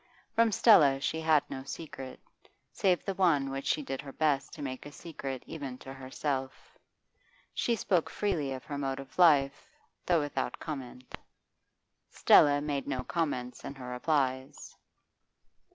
From Stella she had no secret, save the one which she did her best to make a secret even to herself; she spoke freely of her mode of life, though without comment. Stella made no comments in her replies.